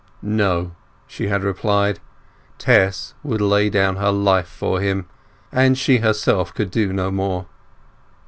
No, she had replied; Tess would lay down her life for him, and she herself could do no more.